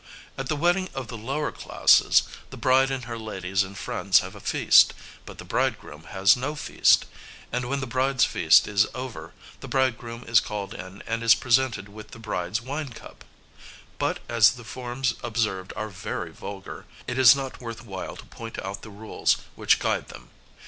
At the wedding of the lower classes, the bride and her ladies and friends have a feast, but the bridegroom has no feast; and when the bride's feast is over, the bridegroom is called in and is presented with the bride's wine cup; but as the forms observed are very vulgar, it is not worth while to point out the rules which guide them.